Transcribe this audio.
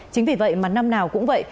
chính vì vậy mà năm nào cũng vậy